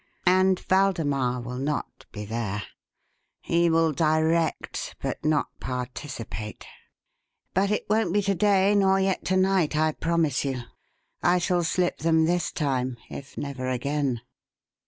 And Waldemar will not be there. He will direct, but not participate. But it won't be to day nor yet to night, I promise you. I shall slip them this time if never again."